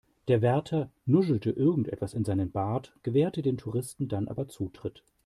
Der Wärter nuschelte irgendwas in seinen Bart, gewährte den Touristen dann aber Zutritt.